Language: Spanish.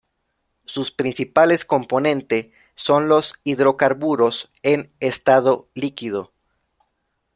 Sus principales componente son los hidrocarburos en estado líquido.